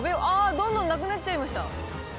どんどんなくなっちゃいました。